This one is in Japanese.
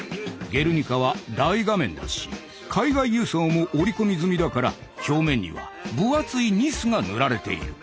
「ゲルニカ」は大画面だし海外輸送も織り込み済みだから表面には分厚いニスが塗られている。